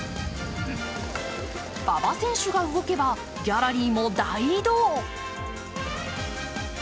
馬場選手が動けばギャラリーも大移動。